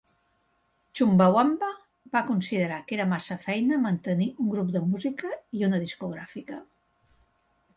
Chumbawamba va considerar que era massa feina mantenir un grup de música i una discogràfica.